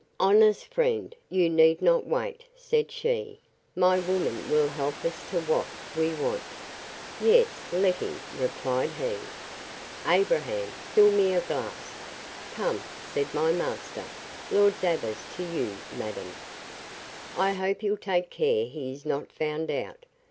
—Honest friend, you need not wait, said she; my woman will help us to what we want. Yes, let him, replied he. Abraham, fill me a glass. Come, said my master, Lord Davers to you, madam: I hope he'll take care he is not found out!